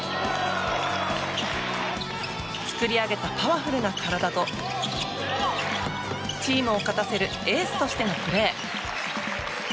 作り上げたパワフルな体とチームを勝たせるエースとしてのプレー。